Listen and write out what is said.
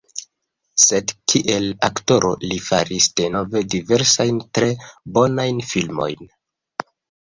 Sed kiel aktoro li faris denove diversajn tre bonajn filmojn.